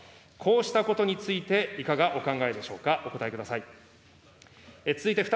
こうしたことについていかがお考えでしょうか、お答えください。